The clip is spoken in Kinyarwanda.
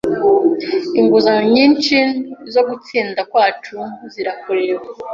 Inguzanyo nyinshi zo gutsinda kwacu zirakureba.